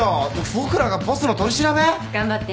僕らがボスの取り調べ？頑張って。